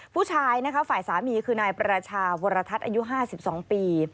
ผู้ชายนะคะฝ่ายสามีคือนายประชาวรทัศน์อายุ๕๒ปี